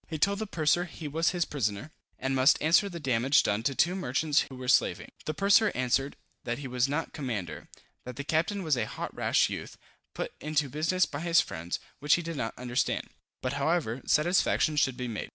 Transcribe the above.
He told the purser he was his prisoner, and must answer the damage done to two merchants who were slaving. The purser answered, that he was not commander; that the captain was a hot rash youth, put into business by his friends, which he did not understand; but however, satisfaction should be made.